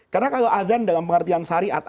karena kalau adhan dalam pengertian syariat